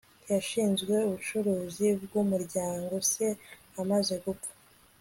yashinzwe ubucuruzi bwumuryango se amaze gupfa